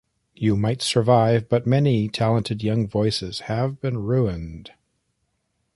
You might survive, but many talented young voices have been ruined.